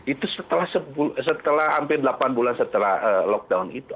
itu setelah hampir delapan bulan setelah lockdown itu